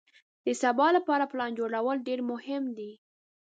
د سبا لپاره پلان جوړول ډېر مهم دي.